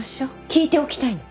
聞いておきたいの。